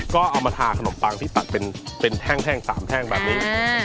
ก็เอามาทาขนมปังที่ตัดเป็นแท่ง๓แท่งแบบนี้